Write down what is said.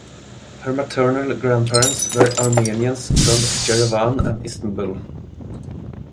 Her maternal grandparents were Armenians from Yerevan and Istanbul.